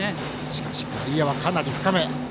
しかし外野はかなり深め。